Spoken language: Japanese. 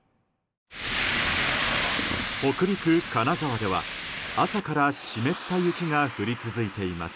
北陸・金沢では朝から湿った雪が降り続いています。